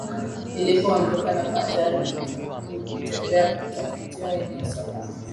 ilipodondoka na ajaribu kutembea kutafiuta eneo salama